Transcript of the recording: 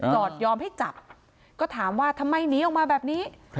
จอดยอมให้จับก็ถามว่าทำไมหนีออกมาแบบนี้